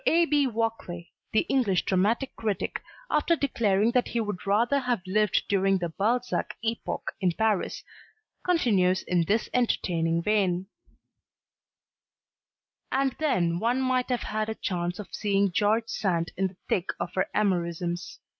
A. B. Walkley, the English dramatic critic, after declaring that he would rather have lived during the Balzac epoch in Paris, continues in this entertaining vein: And then one might have had a chance of seeing George Sand in the thick of her amorisms.